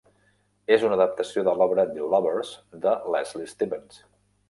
És una adaptació de l'obra "The Lovers" de Leslie Stevens.